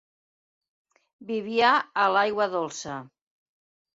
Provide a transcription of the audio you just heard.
Vivia a l'aigua dolça.